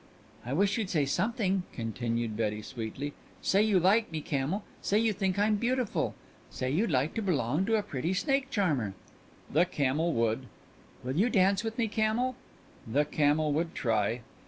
"I wish you'd say something," continued Betty sweetly. "Say you like me, camel. Say you think I'm beautiful. Say you'd like to belong to a pretty snake charmer." The camel would. "Will you dance with me, camel?" The camel would try.